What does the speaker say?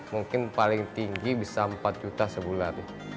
mungkin paling tinggi bisa empat juta sebulan